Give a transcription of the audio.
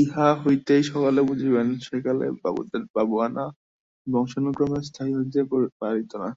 ইহা হইতেই সকলে বুঝিবেন সেকালে বাবুদের বাবুয়ানা বংশানুক্রমে স্থায়ী হইতে পারিত না।